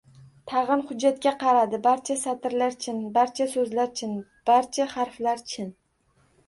Tag‘in hujjatga qaradi: barcha satrlar chin. Barcha so‘zlar chin. Barcha harflar chin.